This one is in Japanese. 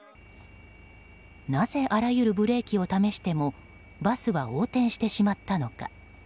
なぜ、あらゆるブレーキを試してもバスは横転してしまったのか。